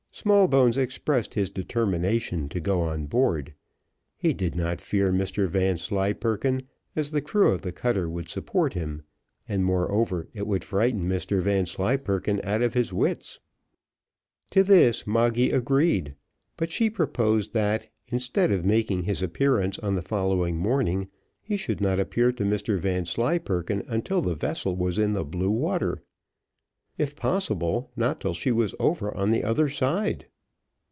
Smallbones expressed his determination to go on board; he did not fear Mr Vanslyperken, as the crew of the cutter would support him and, moreover, it would frighten Mr Vanslyperken out of his wits. To this Moggy agreed, but she proposed that instead of making his appearance on the following morning, he should not appear to Mr Vanslyperken until the vessel was in the blue water; if possible, not till she was over on the other side.